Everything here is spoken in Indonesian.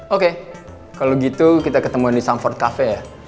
oke kalo gitu kita ketemuin di sanford cafe ya